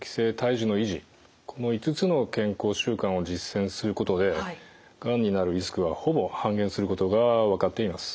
この５つの健康習慣を実践することでがんになるリスクはほぼ半減することが分かっています。